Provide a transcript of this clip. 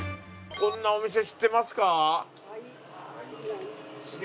こんなお店知ってますか？